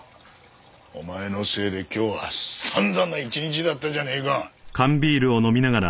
お前のせいで今日は散々な一日だったじゃねえか。